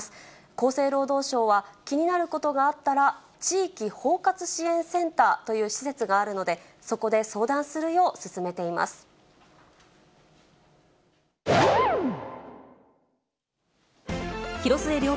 厚生労働省は、気になることがあったら、地域包括支援センターという施設があるので、そこで相談するよう・何見てるんですか？